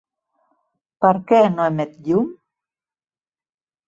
Per què no emet llum?